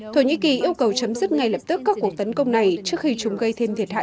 thổ nhĩ kỳ yêu cầu chấm dứt ngay lập tức các cuộc tấn công này trước khi chúng gây thêm thiệt hại